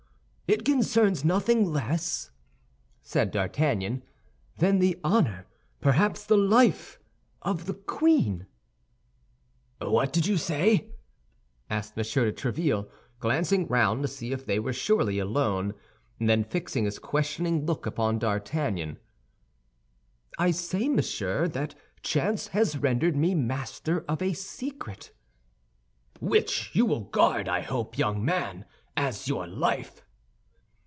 "It concerns nothing less," said D'Artagnan, "than the honor, perhaps the life of the queen." "What did you say?" asked M. de Tréville, glancing round to see if they were surely alone, and then fixing his questioning look upon D'Artagnan. "I say, monsieur, that chance has rendered me master of a secret—" "Which you will guard, I hope, young man, as your life."